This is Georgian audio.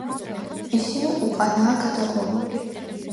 ისინი უკანაა გადაღუნული.